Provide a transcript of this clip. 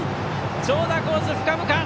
長打コース、深々。